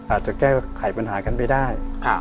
อาจจะแก้ไขปัญหากันไปได้